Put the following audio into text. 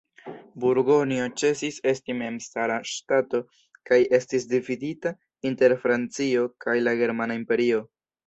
Burgonjo ĉesis esti memstara ŝtato kaj estis dividita inter Francio kaj la germana imperio.